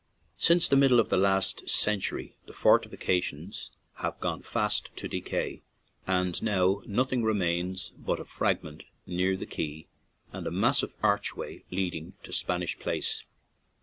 Since the middle of the last century, the fortifications have gone fast to de cay, and now nothing remains but a frag ment near the quay and a massive arch way leading to Spanish Place.